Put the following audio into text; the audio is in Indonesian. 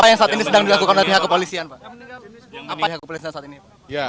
apa yang sedang dilakukan oleh pihak kepolisian saat ini pak